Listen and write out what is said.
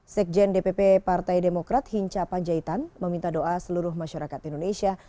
sekjen dpp partai demokrat hinca panjaitan meminta doa seluruh masyarakat indonesia